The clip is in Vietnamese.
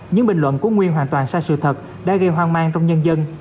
những bình luận của nguyên hoàn toàn sai sự thật đã gây hoang mang trong nhân dân